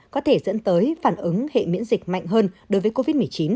có thể dẫn tới phản ứng hệ miễn dịch mạnh hơn đối với covid một mươi chín